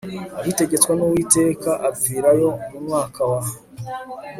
abitegetswe n Uwiteka apfirayo mu mwaka wa